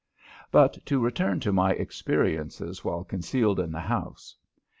But to return to my experiences while concealed in the house.